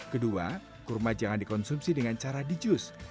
kedua kurma jangan dikonsumsi dengan cara dijus